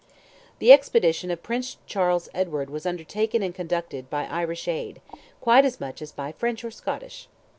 The expedition of Prince Charles Edward was undertaken and conducted by Irish aid, quite as much as by French or Scottish.